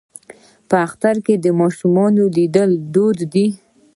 په اختر کې د مشرانو لیدل دود دی.